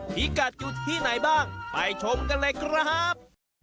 พิกัดอยู่ที่ไหนบ้างไปชมกันเลยครับ